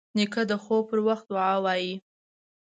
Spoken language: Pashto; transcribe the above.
نیکه د خوب پر وخت دعا وايي.